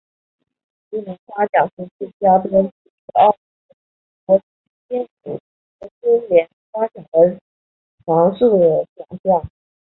金莲花奖最佳编剧是澳门国际电影节金莲花奖的常设奖项。